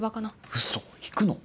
ウソ行くの？